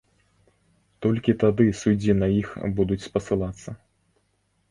Толькі тады суддзі на іх будуць спасылацца.